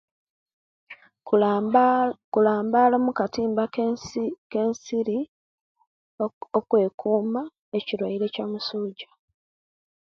Kulamba kulambala mukatimba kensi kensiri okwekuma ekiruaire ekiyomusuja